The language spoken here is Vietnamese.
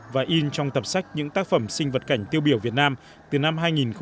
và in trong tập sách những tác phẩm sinh vật cảnh tiêu biểu việt nam từ năm hai nghìn một mươi